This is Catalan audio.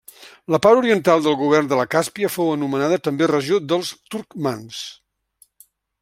La part oriental del govern de la Càspia fou anomenada també regió dels turcmans.